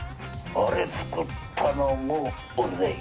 あれ作ったのも俺だい。